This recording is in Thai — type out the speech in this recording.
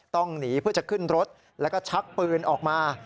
ต้องหนีเพื่อจะขึ้นรถแล้วก็ชักปืนออกมา